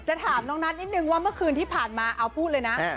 ถามน้องนัทนิดนึงว่าเมื่อคืนที่ผ่านมาเอาพูดเลยนะ